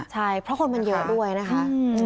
ใช่เพราะคนมันเยอะด้วยนะคะ